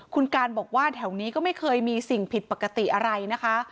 คุณการบอกว่าแถวนี้ก็ไม่เคยมีสิ่งผิดปกติอะไรนะคะ